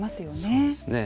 そうですね。